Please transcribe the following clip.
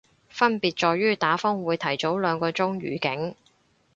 分別在於打風會提早兩個鐘預警